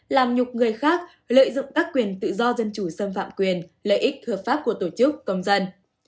làm nhục người khác lợi dụng các quyền tự do dân chủ xâm phạm quyền lợi ích hợp pháp của tổ chức công dân